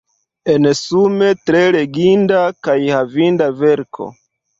Ensume, tre leginda kaj havinda verko.